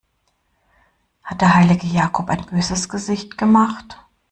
Hat der heilige Jakob ein böses Gesicht gemacht?